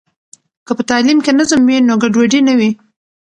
که په تعلیم کې نظم وي، نو ګډوډي نه وي.